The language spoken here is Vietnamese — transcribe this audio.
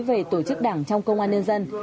về tổ chức đảng trong công an nhân dân